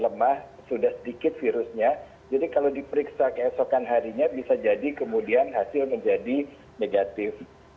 lemah sudah sedikit virusnya jadi kalau diperiksa keesokan harinya bisa jadi kemudian hasil menjadi negatif